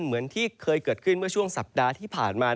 เหมือนที่เคยเกิดขึ้นเมื่อช่วงสัปดาห์ที่ผ่านมา